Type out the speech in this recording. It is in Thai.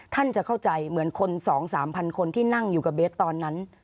ท่านจะเข้าใจเหมือนคน๒๓พันคนที่นั่งอยู่กับเบสตอนนั้น